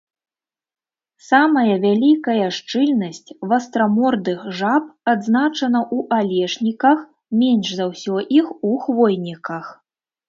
Самая вялікая шчыльнасць вастрамордых жаб адзначана ў алешніках, менш за ўсё іх у хвойніках.